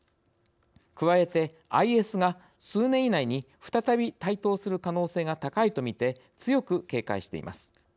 加えて、ＩＳが、数年以内に再び台頭する可能性が高いと見て強く警戒しています。